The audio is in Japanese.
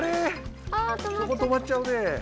そことまっちゃうね。